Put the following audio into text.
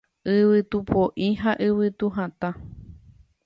Yvytu po'i ha yvytu hatã